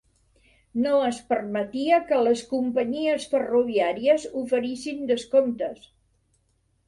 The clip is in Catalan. No es permetia que les companyies ferroviàries oferissin descomptes.